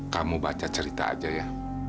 kamu baca cerita aja ya